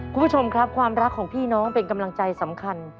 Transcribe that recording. คุณผู้ชมครับความรักของพี่น้องเป็นกำลังใจสำคัญ